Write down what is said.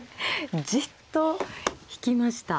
じっと引きました。